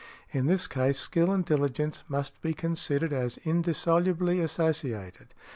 In this case, skill and diligence must be considered as indissolubly associated.